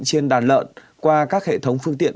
trên đàn lợn qua các hệ thống phương tiện